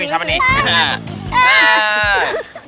ini siapa nih